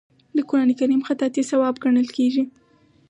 د قران کریم خطاطي ثواب ګڼل کیږي.